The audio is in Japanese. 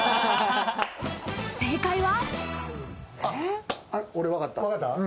正解は。